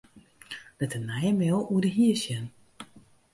Lit de nije mail oer de hier sjen.